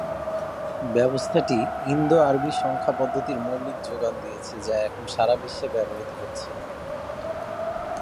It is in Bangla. ব্যবস্থাটি ইন্দো-আরবী সংখ্যা পদ্ধতির মৌলিক যোগান দিয়েছে যা এখন সারা বিশ্বে ব্যবহৃত হচ্ছে।